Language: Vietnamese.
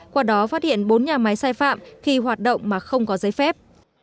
qua đó phát hiện bốn nhà máy sai phạm khi hoạt động mà không có giấy phép